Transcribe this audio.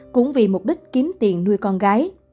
cũng vì mục đích kiếm tiền nuôi con gái